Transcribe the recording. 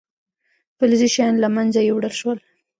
فلزي شیان له منځه یوړل شول.